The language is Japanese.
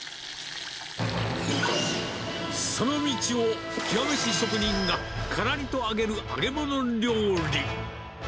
その道を極めし職人がからりと揚げる揚げ物料理。